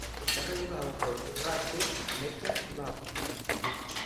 Está regulado por Rugby Americas North.